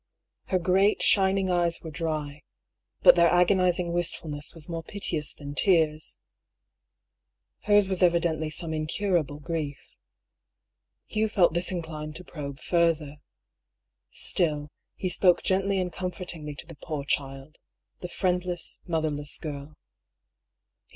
Her great shining eyes were dry — but their agonising wistfulness was more piteous than tears. Hers was evi dently some incurable grief. Hugh felt disinclined to probe further. Still, he spoke gently and comfortingly to the poor child — the friendless, motherless girl.